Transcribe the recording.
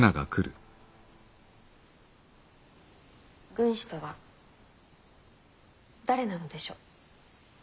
軍師とは誰なのでしょう。